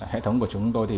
hệ thống của chúng tôi